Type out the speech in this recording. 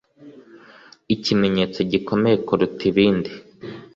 Ikimenyetso gikomeye kuruta ibindi